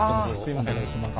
お願いします。